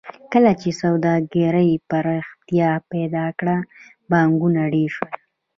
کله چې سوداګرۍ پراختیا پیدا کړه بانکونه ډېر شول